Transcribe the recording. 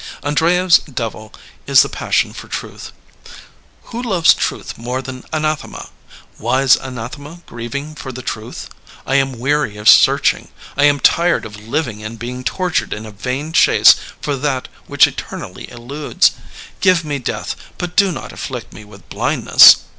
Andreyev's devil is the passion for truth. ''Who loves truth more than Anathema? Wise Anathema grieving for the truth? ... I am weary of searching. I am tired of living and being tortured in a vain chase for that which eternally eludes. Give me death, but do not afflict me with blindness.'